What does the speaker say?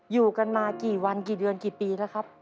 อยู่กันมากี่วันกี่เดือนกี่ปีแล้วครับ